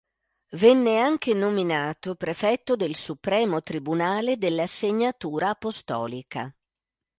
Venne anche nominato prefetto del Supremo Tribunale della Segnatura Apostolica.